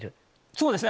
そうですね。